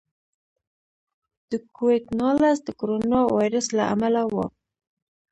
د کوویډ نولس د کورونا وایرس له امله و.